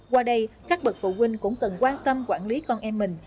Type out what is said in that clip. qua đây các bậc phụ huynh cũng cần quan tâm quản lý con em mình